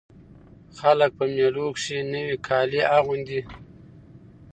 خلک په مېلو کښي نوي کالي اغوندي.